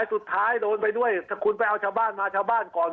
สุดท้ายโดนไปด้วยถ้าคุณไปเอาชาวบ้านมาชาวบ้านก่อน